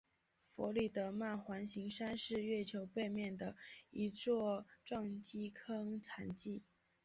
弗里德曼环形山是月球背面的一座撞击坑残迹。